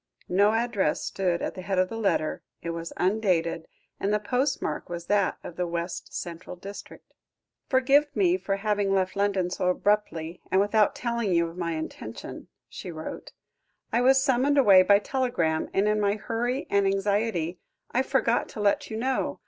No address stood at the head of the letter, it was undated; and the postmark was that of the West Central district. "Forgive me for having left London so abruptly, and without telling you of my intention," she wrote. "I was summoned away by telegram, and in my hurry and anxiety, I forgot to let you know.